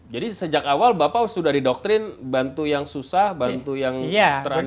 jadi sejak awal bapak sudah didoktrin bantu yang susah bantu yang terani